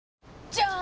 じゃーん！